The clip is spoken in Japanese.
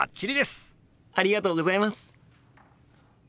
ありがとうございます！